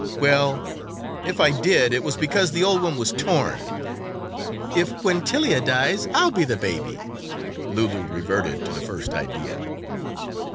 "Well, if I did, it was because the old one was torn." "If Quintilia dies, I'll be the baby." Loulou reverted to the first idea.